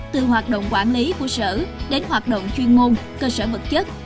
từ hoạt động quản lý của sở đến hoạt động chuyên môn cơ sở vật chất